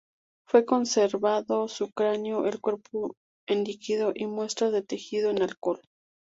Fue conservado su cráneo, el cuerpo en líquido, y muestras de tejido en alcohol.